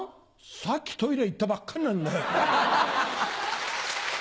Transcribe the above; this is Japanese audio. さっきトイレ行ったばっかりなんだよ。